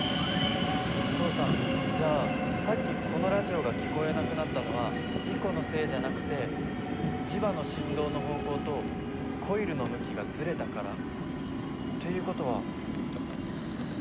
お父さんじゃあさっきこのラジオが聞こえなくなったのはリコのせいじゃなくて磁場の振動の方向とコイルの向きがずれたから？という事は。